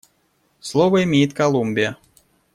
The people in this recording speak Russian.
Слово имеет Колумбия.